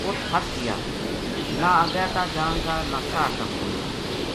اُت پھس گیانہ اَگے تا جان کا نہ کاہڈ تامڑن کا